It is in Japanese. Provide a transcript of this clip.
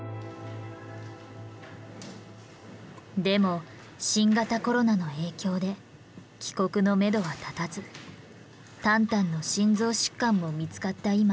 でも新型コロナの影響で帰国のめどは立たずタンタンの心臓疾患も見つかった